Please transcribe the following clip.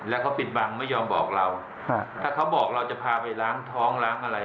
แล้วเขาปิดบังไม่ยอมบอกเราถ้าเขาบอกเราจะพาไปล้างท้องล้างอะไร